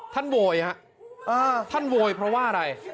ท่านโวยท่านโวยเพราะว่าอะไร